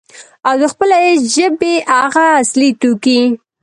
او د خپلې ژبې هغه اصلي توکي،